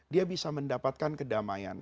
dia bisa mendapatkan kedamaian